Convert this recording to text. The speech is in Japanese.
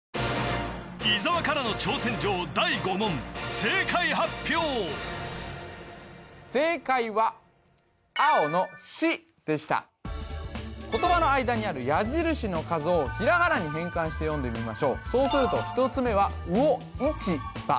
正解発表正解は青の「し」でした言葉の間にある矢印の数をひらがなに変換して読んでみましょうそうすると１つ目は「うおいちば」